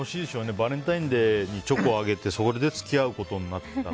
バレンタインデーにチョコあげてそれで付き合うことになったら。